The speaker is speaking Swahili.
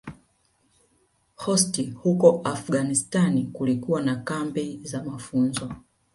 Khost huko Afghanistan kulikokuwa na kambi za mafunzo